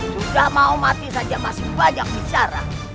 sudah mau mati saja masih banyak bicara